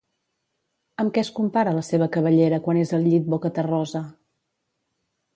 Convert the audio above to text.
Amb què es compara la seva cabellera quan és al llit boca terrosa?